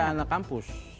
ini anak kampus